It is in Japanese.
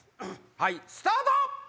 はいスタート！